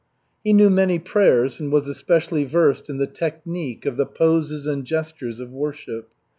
He knew many prayers and was especially versed in the technique of the poses and gestures of worship.